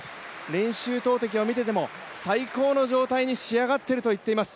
練習投てきを見てても最高の状態に仕上がってると言っています。